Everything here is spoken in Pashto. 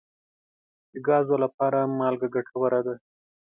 د ګازو لپاره هم مالګه ګټوره ده.